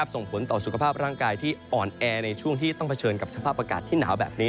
ส่งผลต่อสุขภาพร่างกายที่อ่อนแอในช่วงที่ต้องเผชิญกับสภาพอากาศที่หนาวแบบนี้